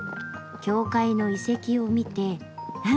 教会の遺跡を見てははっ